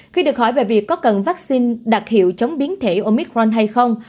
khi được hỏi về việc có cần vaccine đặc hiệu chống biến thể omicron hay không